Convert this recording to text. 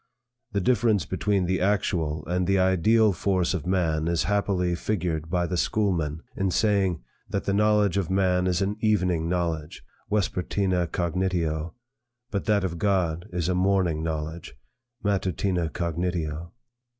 The difference between the actual and the ideal force of man is happily figured by the schoolmen, in saying, that the knowledge of man is an evening knowledge, vespertina cognitio, but that of God is a morning knowledge, matutina cognitio.